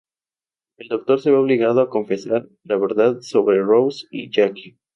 El Doctor se ve obligado a confesar la verdad sobre Rose y Jackie.